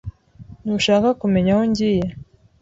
Ntushaka kumenya aho ngiye?